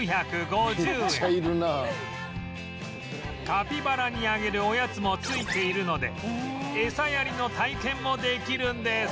カピバラにあげるおやつも付いているので餌やりの体験もできるんです